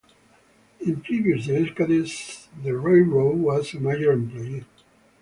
In previous decades, the railroad was a major employer.